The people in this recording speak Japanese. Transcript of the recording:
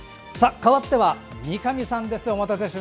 かわっては三上さんです。